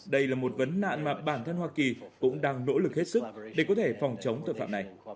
đây là một vấn nạn mà bản thân hoa kỳ cũng đang nỗ lực hết sức để có thể phòng chống tội phạm này